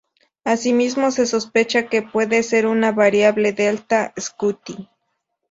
Asimismo, se sospecha que pueda ser una variable Delta Scuti.